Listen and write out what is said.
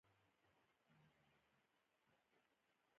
دی غریب په ځنګلونو غرونو بیابانونو ګرځېده.